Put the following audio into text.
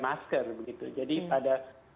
masker begitu jadi pada